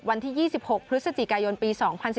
วันที่๒๖พฤศจิกายนปี๒๐๑๙